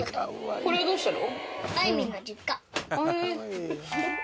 これどうしたの？